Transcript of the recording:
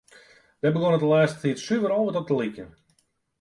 Dêr begûn it de lêste tiid suver al wer wat op te lykjen.